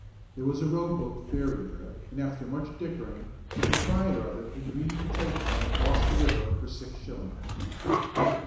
There was a row boat ferry there, and, after much dickering, the proprietor of it agreed to take them across the river for six shillings.